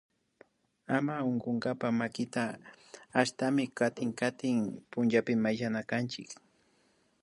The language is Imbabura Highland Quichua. Ama unkunkapacka makita ashtami kutin kutin pullapika mayllanakanchik